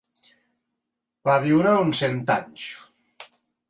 Va viure uns cent anys.